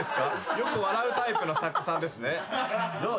よく笑うタイプの作家さんですね。